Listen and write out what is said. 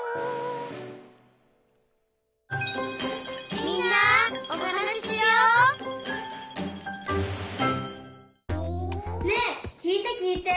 「みんなおはなししよう」ねえきいてきいて。